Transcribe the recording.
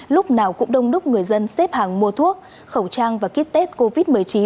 lúc nào cũng đông đúc người dân xếp hàng mua thuốc khẩu trang và kit tết covid một mươi chín